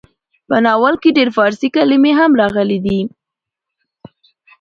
په ناول کې ډېر فارسي کلمې هم راغلې ډي.